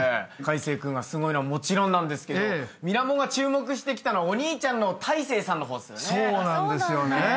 魁成君がすごいのはもちろんなんですけど『ミラモン』が注目してきたのはお兄ちゃんの大成さんの方っすよね。